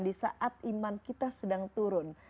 di saat iman kita sedang turun